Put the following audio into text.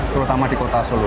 terutama di kota solo